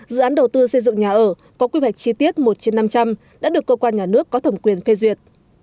dự án đầu tư xây dựng nhà ở có quy hoạch chi tiết một trên năm trăm linh đã được cơ quan nhà nước có thẩm quyền phê duyệt